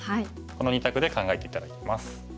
この２択で考えて頂きます。